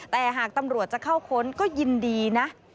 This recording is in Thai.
แต่หากตำรวจจะเข้าค้นก็ยินดีนะ